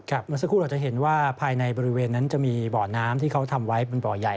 เมื่อสักครู่เราจะเห็นว่าภายในบริเวณนั้นจะมีบ่อน้ำที่เขาทำไว้เป็นบ่อใหญ่